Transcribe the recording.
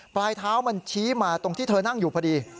ปลายเท้ามันชี้มาตรงที่เธอนั่งอยู่พอดี